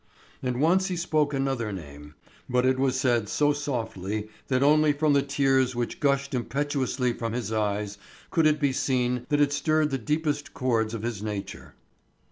And once he spoke another name, but it was said so softly that only from the tears which gushed impetuously from his eyes, could it be seen that it stirred the deepest chords of his nature.